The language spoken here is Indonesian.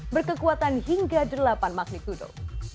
berkekuatan hingga delapan magnitudo